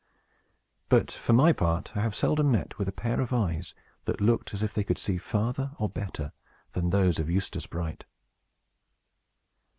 But, for my part, I have seldom met with a pair of eyes that looked as if they could see farther or better than those of Eustace Bright.